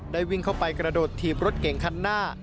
วิ่งเข้าไปกระโดดถีบรถเก่งคันหน้า